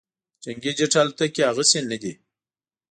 جنګي جیټ الوتکې هغسې نه دي